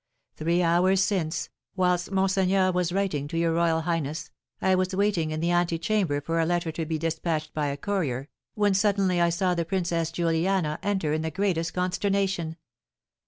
Three hours since, whilst monseigneur was writing to your royal highness, I was waiting in the antechamber for a letter to be despatched by a courier, when suddenly I saw the Princess Juliana enter in the greatest consternation.